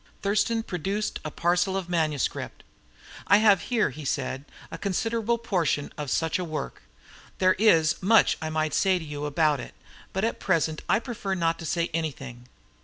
Thurston produced a parcel of manuscript. "I have here," he said, "a considerable portion of such a work. There is much that I might say to you about it, but at present I prefer not to say anything.